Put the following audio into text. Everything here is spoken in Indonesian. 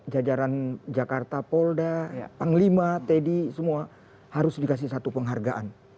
jajaran jakarta polda panglima teddy semua harus dikasih satu penghargaan